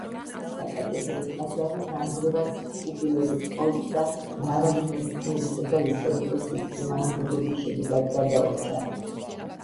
საკათედრო ტაძარი დანგრევას, უპირველეს ყოვლისა, მრავალი მეცნიერისა და ისტორიკოსის წინააღმდეგობის შედეგად გადაურჩა.